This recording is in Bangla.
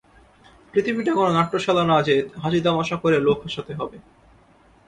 পৃথিবীটা কোনো নাট্যশালা না যে হাসি-তামাশা করে লোক-হাসাতে হবে।